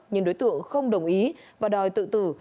nhưng đối tượng không đồng ý và đòi tự tử